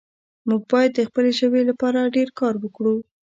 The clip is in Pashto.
موږ باید د خپلې ژبې لپاره ډېر کار وکړو